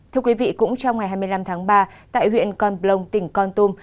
thưa quý vị cũng trong ngày hai mươi năm tháng ba tại huyện con plông tỉnh con tôm